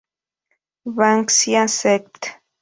Banksia sect.